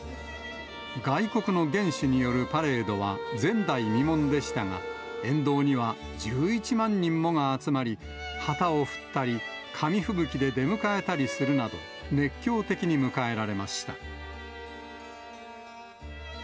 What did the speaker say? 外国の元首によるパレードは前代未聞でしたが、沿道には１１万人もが集まり、旗を振ったり、紙吹雪で出迎えたりするなど、熱狂的に迎えられました。